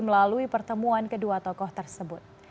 melalui pertemuan kedua tokoh tersebut